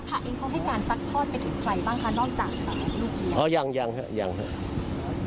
คุณพาผักเองเขาให้การซักทอดไปถึงใครบ้างคะนอกจากลูกนี้